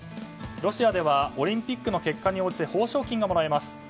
ロシアではオリンピックの結果に応じて報奨金がもらえます。